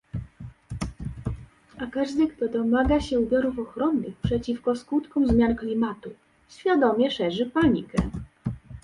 A każdy, kto domaga się ubiorów ochronnych przeciwko skutkom zmian klimatu, świadomie szerzy panikę